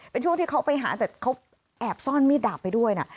เป็นช่วงที่เขาไปหาแต่เขาแอบซ่อนมีดดาบไปด้วยนะ